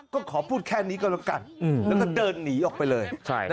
ก็ขอพูดแค่นี้ก็แล้วกันแล้วก็เดินหนีออกไปเลย